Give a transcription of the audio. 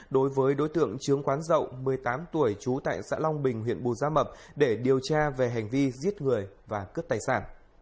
đối với đối tượng trướng quán dậu một mươi tám tuổi trú tại xã long bình huyện bù gia mập để điều tra về hành vi giết người và cướp tài sản